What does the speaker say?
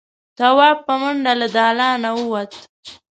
تواب په منډه له دالانه ووت.